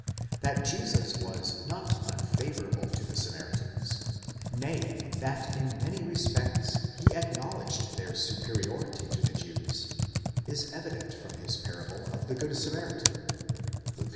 t That Jesus was not unfavourable to the Samaritans, nay, that in many respects he acknow ledged their superiority to the Jews, is evident from his parable of the Good Samaritan (Luke x.